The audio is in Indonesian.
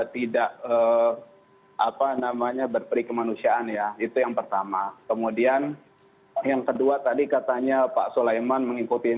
tidak berperi kemanusiaan ya itu yang pertama kemudian yang kedua tadi katanya pak soleman mengikuti lima belas tahun